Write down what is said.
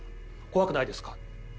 怖くないですか？」。